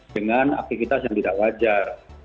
dengan aktivitas yang tidak wajar